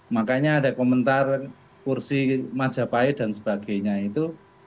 makanya ada komentar kursi majapahit dan sebagainya itu